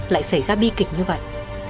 lại xảy ra bi kịch như vậy